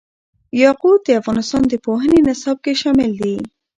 یاقوت د افغانستان د پوهنې نصاب کې شامل دي.